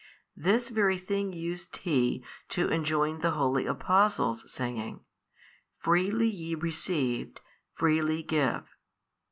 This very thing used He to enjoin the holy Apostles, saying, Freely ye received, freely give.